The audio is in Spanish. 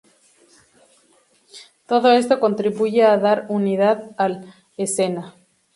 Todo esto contribuye a dar unidad a al escena.